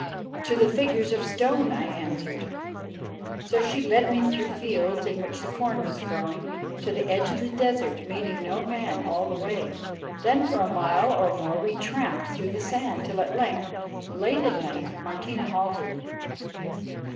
"To the figures of stone," I answered. So she led me through fields in which the corn was growing, to the edge of the desert, meeting no man all the way. Then for a mile or more we tramped through sand, till at length, late at night, Martina halted.